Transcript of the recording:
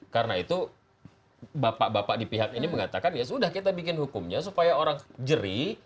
karena itu bapak bapak di pihak ini mengatakan ya sudah kita bikin hukumnya supaya orang jerih